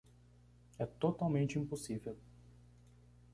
É totalmente impossível.